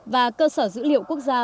và cơ sở dữ liệu quốc gia